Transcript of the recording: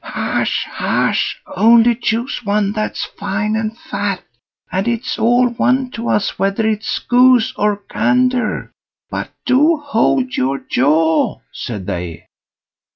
"Hush, hush! only choose one that's fine and fat, and it's all one to us whether it's goose or gander; but do hold your jaw", said they.